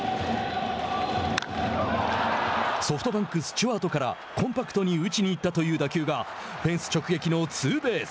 ソフトバンク、スチュワートから「コンパクトに打ちにいった」という打球がフェンス直撃のツーベース。